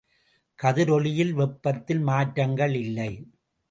கதிரொளியில் வெப்பத்தில் மாற்றங்கள் இல்லை.